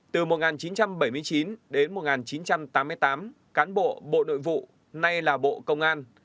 từ một nghìn chín trăm bảy mươi chín đến một nghìn chín trăm tám mươi tám cán bộ bộ nội vụ nay là bộ công an